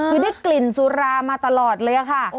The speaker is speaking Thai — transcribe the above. คือได้กลิ่นสุรามาตลอดเลยค่ะ